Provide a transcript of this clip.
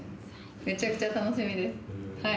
めちゃくちゃ楽しみです！